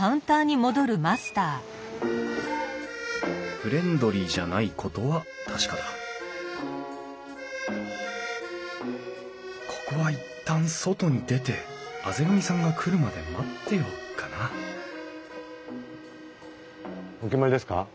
フレンドリーじゃないことは確かだここは一旦外に出て畔上さんが来るまで待ってようかなお決まりですか？